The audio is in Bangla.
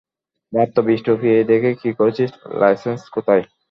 মাত্র বিশ রূপি এই দেখ কী করেছিস লাইসেন্স কোথায়?